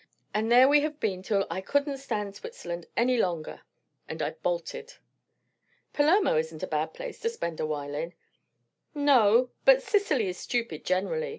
And there we have been till I couldn't stand Switzerland any longer; and I bolted." "Palermo isn't a bad place to spend a while in." "No; but Sicily is stupid generally.